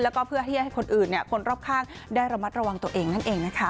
แล้วก็เพื่อที่จะให้คนอื่นคนรอบข้างได้ระมัดระวังตัวเองนั่นเองนะคะ